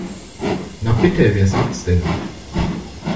Na bitte, wer sagt's denn?